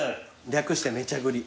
略して「めちゃ栗」